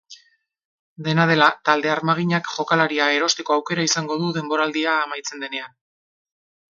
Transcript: Dena dela, talde armaginak jokalaria erosteko aukera izango du denboraldia amaitzen denean.